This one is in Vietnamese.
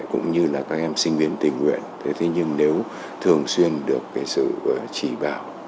cũng như là các em sinh viên tình nguyện thế nhưng nếu thường xuyên được sự chỉ bảo